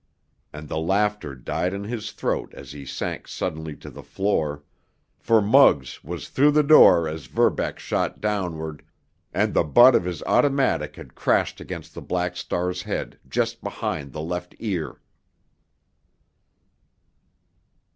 And the laughter died in his throat as he sank suddenly to the floor! For Muggs was through the door as Verbeck shot downward, and the butt of his automatic had crashed against the Black Star's head just behind the left ear.